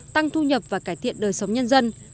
thu nhập và cải thiện đời sống nhân dân